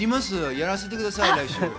やらせてください。